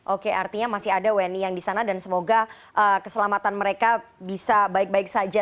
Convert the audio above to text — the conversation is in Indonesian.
oke artinya masih ada wni yang di sana dan semoga keselamatan mereka bisa baik baik saja